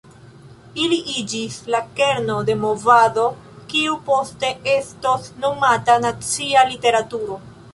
Ili iĝis la kerno de movado kiu poste estos nomata nacia literaturo.